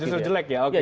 justru jelek ya